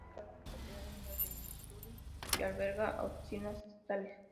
El edificio es actualmente propiedad del Estado de Misuri y alberga oficinas estatales.